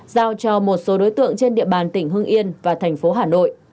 giao cho một số đối tượng trên địa bàn tỉnh hưng yên và thành phố hà nội